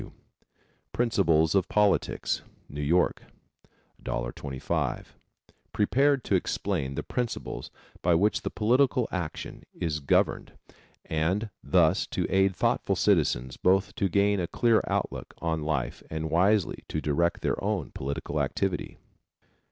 W., Principles of Politics. New York, $1.25. Prepared to explain the principles by which political action is governed and thus to aid thoughtful citizens both to gain a clear outlook on life and wisely to direct their own political activity.